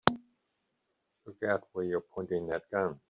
Look out where you're pointing that gun!